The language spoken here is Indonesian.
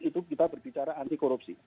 itu kita berbicara anti korupsi